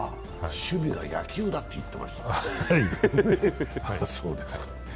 趣味は野球だって言ってましたから。